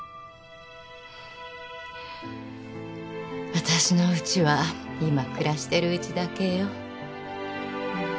私のうちは今暮らしてるうちだけよ。